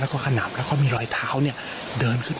และก็คือว่าถึงแม้วันนี้จะพบรอยเท้าเสียแป้งจริงไหม